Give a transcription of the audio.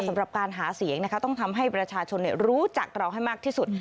สำหรับการหาเสียงนะคะต้องทำให้ประชาชนรู้จักเราให้มากที่สุด